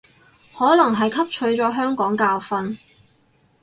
可能係汲取咗香港教訓